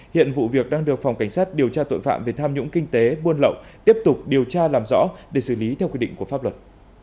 hiện vụ việc đang được phòng cảnh sát điều tra tội phạm về tham nhũng kinh tế buôn lậu tiếp tục điều tra làm rõ để xử lý theo quy định của pháp luật